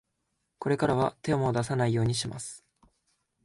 これからは、手も出さないようにします。